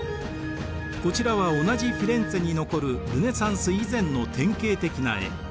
こちらは同じフィレンツェに残るルネサンス以前の典型的な絵。